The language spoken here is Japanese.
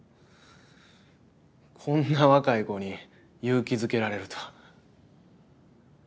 こんな若い子に勇気づけられるとは。